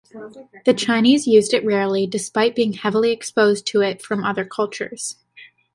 The Chinese used it rarely, despite being heavily exposed to it from other cultures.